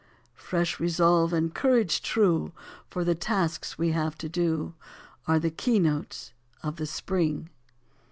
Fresh resolve and courage true For the tasks we have to do Are the key notes of the spring!